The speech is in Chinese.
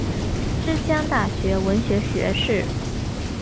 之江大学文学学士。